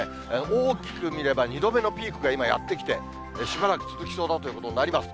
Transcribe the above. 大きく見れば、２度目のピークが今、やってきて、しばらく続きそうだということになります。